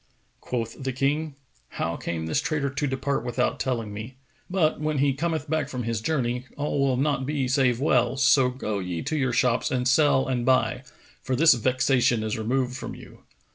Quoth the King, "How came this traitor to depart without telling me? But, when he cometh back from his journey, all will not be save well[FN#458]: so go ye to your shops and sell and buy, for this vexation is removed from you."